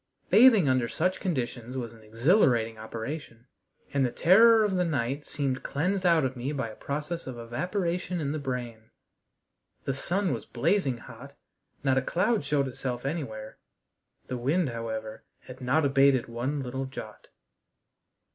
Bathing under such conditions was an exhilarating operation, and the terror of the night seemed cleansed out of me by a process of evaporation in the brain. The sun was blazing hot; not a cloud showed itself anywhere; the wind, however, had not abated one little jot.